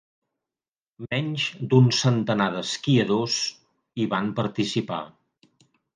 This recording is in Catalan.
Menys d'un centenar d'esquiadors hi van participar.